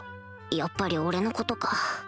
やっぱり俺のことか